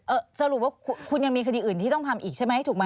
สรุปว่าคุณยังมีคดีอื่นที่ต้องทำอีกใช่ไหมถูกไหม